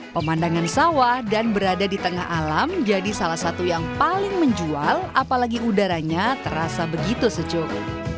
pemandangan sawah dan berada di tengah alam jadi salah satu yang paling menjual apalagi udaranya terasa begitu sejuk